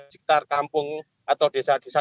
sekitar kampung atau desa desa